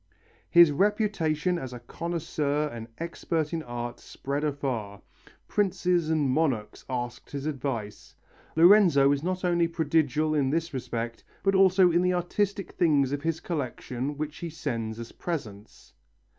His reputation as a connoisseur and expert in art spread afar. Princes and monarchs asked his advice. Lorenzo is not only prodigal in this respect, but also in the artistic things of his collection which he sends as presents.